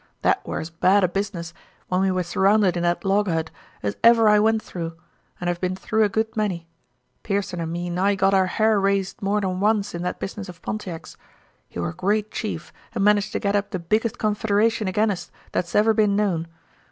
That were as bad a business, when we was surrounded in that log hut, as ever I went through and I've been through a good many. Pearson and me nigh got our har raised more nor once in that business of Pontiac's. He were a great chief and managed to get up the biggest confederation agin us that's ever been known.